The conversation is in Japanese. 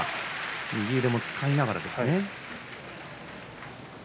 右手も使いながらでしたね。